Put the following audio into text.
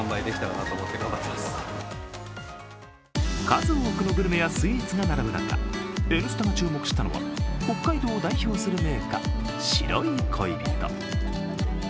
数多くのグルメやスイーツが並ぶ中、「Ｎスタ」が注目したのは北海道を代表する銘菓、白い恋人。